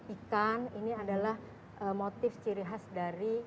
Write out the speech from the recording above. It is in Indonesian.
ikan ini adalah motif ciri khas dari